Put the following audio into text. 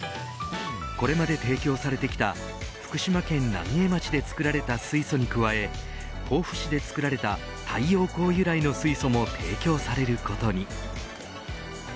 これまで提供されてきた福島県浪江町で作られた水素に加え甲府市で作られた太陽光由来の水素も提供されることに。